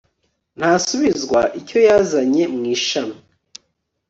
ntasubizwa icyo yazanye mu ishami